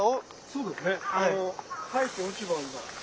そうですね。